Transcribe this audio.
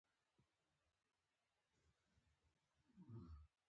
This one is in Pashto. کلي د افغانستان بنسټ دی